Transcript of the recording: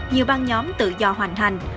nhiều ban nhóm tự do hoành hành